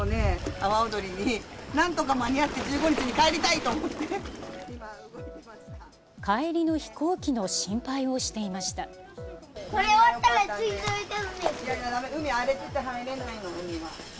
阿波おどりになんとか間に合って、帰りの飛行機の心配をしていこれ終わったら、いやいや、だめ、海、荒れてて入れないの、海は。